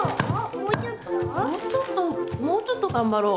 もうちょっともうちょっと頑張ろう。